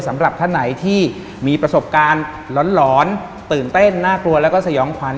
สำหรับท่านไหนที่มีประสบการณ์หลอนตื่นเต้นน่ากลัวแล้วก็สยองขวัญ